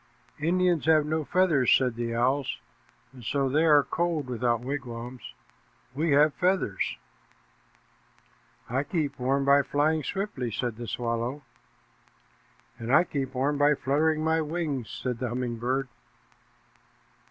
"Indians have no feathers," said the owl, "and so they are cold without wigwams. We have feathers." "I keep warm by flying swiftly," said the swallow. "And I keep warm by fluttering my wings," said the humming bird.